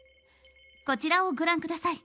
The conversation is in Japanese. こちらをご覧下さい。